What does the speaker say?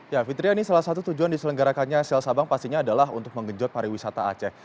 ya fitria ini salah satu tujuan diselenggarakannya sel sabang pastinya adalah untuk menggenjot pariwisata aceh